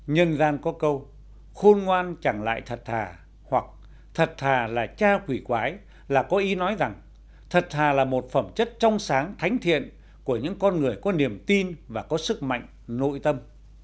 nhân gian có câu ngoan chẳng lại thật thà hoặc thật thà là cha quỷ quái là có ý nói rằng thật thà là một phẩm chất trong sáng thánh thiện của những con người có niềm tin và có sức mạnh nội tâm